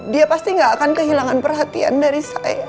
dia pasti gak akan kehilangan perhatian dari saya